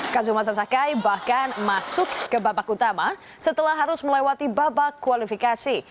kazuma sasakai bahkan masuk ke babak utama setelah harus melewati babak kualifikasi